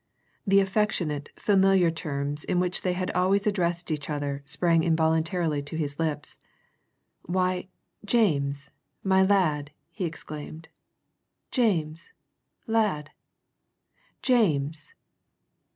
The affectionate, familiar terms in which they had always addressed each other sprang involuntarily to his lips. "Why, James, my lad!" he exclaimed. "James, lad! James!"